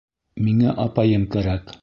Миңә апайым кәрәк.